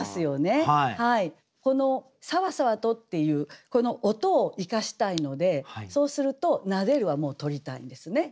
この「さわさわと」っていうこの音を生かしたいのでそうすると「撫でる」は取りたいんですね。